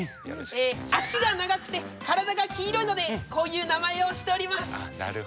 脚が長くて体が黄色いのでこういう名前をしております。